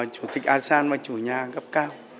chủ tịch asean và chủ nhà cấp cao